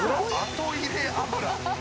後入れ油。